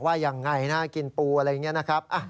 เอาให้ถึงพื้นที่เลยนะครับ